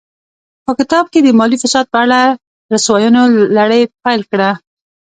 په کتاب کې د مالي فساد په اړه رسواینو لړۍ پیل کړه.